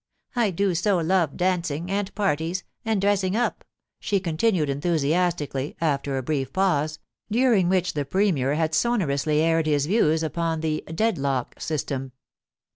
I do so love dancing, and parties, and dressing up,' she continued enthusiastically, after a brief pause, during which the Premier had sonorously aired his views upon the * Dead lock ' system.